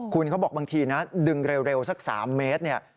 คุณเขาบอกบางทีดึงเร็วสัก๓เมตร